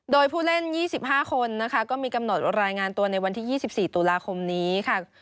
โดยผู้เล่น๒๕คนนะคะก็มีกำหนดรายงานตัวในวันที่๒๔ตุลาคมนี้ค่ะ